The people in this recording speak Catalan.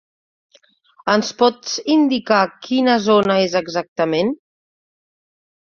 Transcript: Ens pot indicar quina zona és exactament?